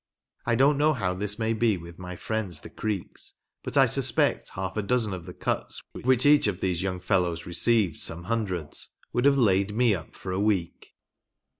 I don't know how this may be with my friends the Creeks ; but I suspect half a dozen of the cuts of which each of these young fellows received so' ae hun dreds, would have laid me up for a week